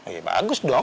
ya bagus dong